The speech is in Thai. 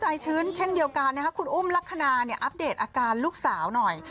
ชื้นเช่นเดียวกันนะครับคุณอุ้มลักษณะอัปเดตอาการลูกสาวหน่อย